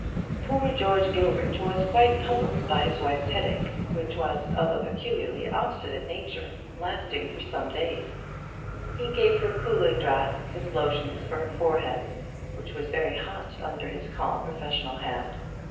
Poor George Gilbert was quite puzzled by his wife's headache, which was of a peculiarly obstinate nature, lasting for some days. He gave her cooling draughts, and lotions for her forehead, which was very hot under his calm professional hand.